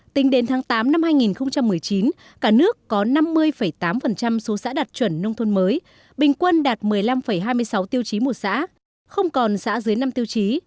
tính đến tháng tám năm hai nghìn một mươi chín cả nước có năm mươi tám số xã đạt chuẩn nông thôn mới bình quân đạt một mươi năm hai mươi sáu tiêu chí một xã không còn xã dưới năm tiêu chí